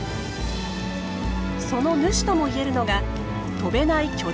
その主とも言えるのが飛べない巨大な鳥レア。